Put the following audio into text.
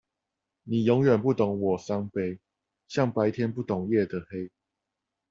你永遠不懂我傷悲，像白天不懂夜的黑